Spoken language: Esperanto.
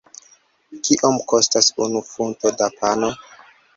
Kiom kostas unu funto da pano?